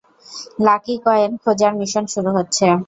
Lucky coin খোঁজার mission শুরু হচ্ছে!